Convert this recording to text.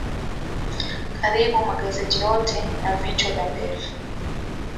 karibu magazeti yote na vichwa vya mbele